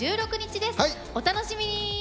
お楽しみに！